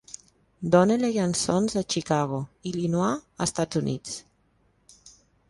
Donnelley and Sons a Chicago, Illinois, Estats Units.